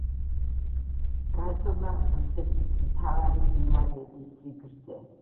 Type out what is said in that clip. გაზომა რუსეთის მთავარი მდინარეების სიგრძე.